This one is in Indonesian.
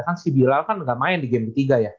kan si bilal kan nggak main di game ketiga ya